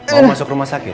mau masuk rumah sakit